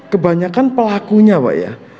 kebanyakan pelakunya pak ya